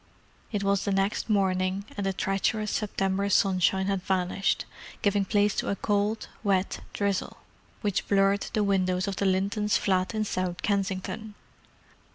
It was the next morning, and the treacherous September sunshine had vanished, giving place to a cold, wet drizzle, which blurred the windows of the Lintons' flat in South Kensington.